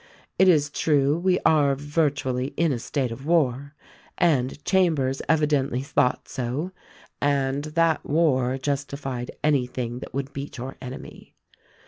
It is true we are virtually in a state of war; and Chambers evidently thought so — and that war justified anything that would beat your enemy.